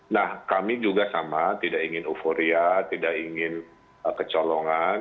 nah kami juga sama tidak ingin euforia tidak ingin kecolongan